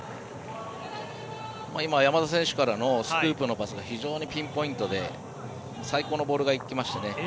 今、山田選手からのスクープのパスが非常にピンポイントで最高のボールが来ましたね。